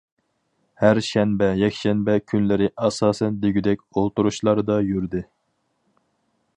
ھەر شەنبە، يەكشەنبە كۈنلىرى ئاساسەن دېگۈدەك ئولتۇرۇشلاردا يۈردى.